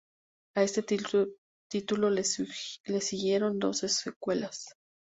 A este título le siguieron dos secuelas.